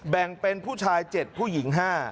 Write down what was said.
แบ่งเป็นผู้ชาย๗ผู้หญิง๕